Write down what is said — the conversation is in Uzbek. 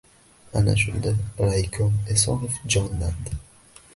Ana shunda, raykom Esonov jonlandi.